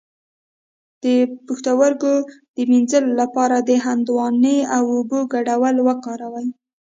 د پښتورګو د مینځلو لپاره د هندواڼې او اوبو ګډول وکاروئ